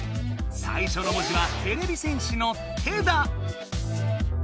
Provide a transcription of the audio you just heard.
最初の文字はてれび戦士の「て」だ。